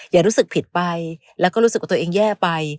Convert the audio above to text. อย่ารู้สึกผิดไปแล้วก็รู้สึกว่าตัวเองแย่ไป